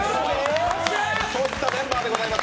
こういったメンバーでございます。